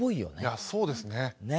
いやそうですね。ね！